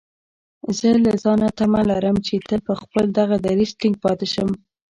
زه له ځانه تمه لرم چې تل پر خپل دغه دريځ ټينګ پاتې شم.